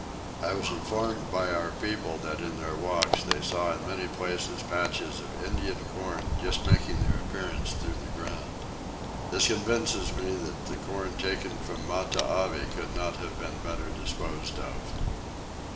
I was informed by our people that in their walks they saw in many places patches of Indian corn just making their appearance through the ground. This convinces me that the corn taken from Matavai could not have been better disposed of.